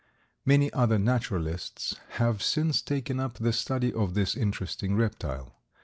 Many other naturalists have since taken up the study of this interesting reptile.